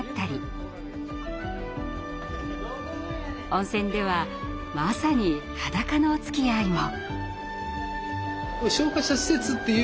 温泉ではまさに裸のおつきあいも！